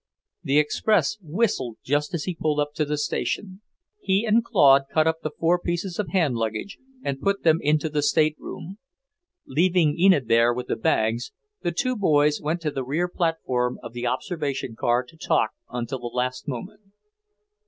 The express whistled just as he pulled up at the station. He and Claude caught up the four pieces of hand luggage and put them in the stateroom. Leaving Enid there with the bags, the two boys went to the rear platform of the observation car to talk until the last moment.